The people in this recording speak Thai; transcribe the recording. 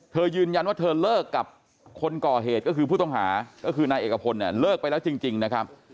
ยืนยันว่าเธอเลิกกับคนก่อเหตุก็คือผู้ต้องหาก็คือนายเอกพลเนี่ยเลิกไปแล้วจริงนะครับ